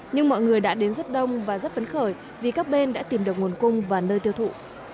nhưng mọi người đã đến rất đông và rất phấn khởi vì các bên đã tìm được nguồn cung và nơi tiêu thụ